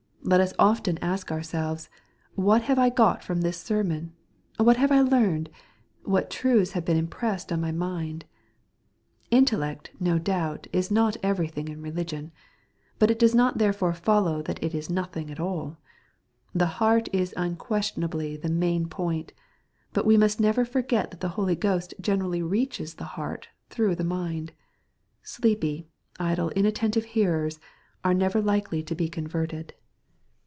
Let us often ask ourselves, "What have I got from this sermon ? what have I learned ? what truths have been impressed on my mind ?" Intellect, no doubt, is not everything in religion. But it does not therefore follow that it is nothing at all. — The heart is unquestionably the main point. But we must never forget that the Holy Ghost generally reaches the heart through the mind. — Sleepy, idle, inattentive hearers, are never likely to be con* verted.